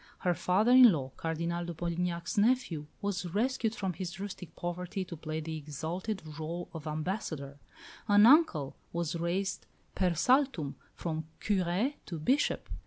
Her father in law, Cardinal de Polignac's nephew, was rescued from his rustic poverty to play the exalted rôle of ambassador; an uncle was raised per saltum from curé to bishop.